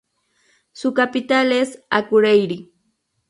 Su capital es Akureyri.